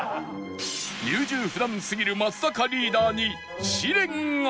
優柔不断すぎる松坂リーダーに試練が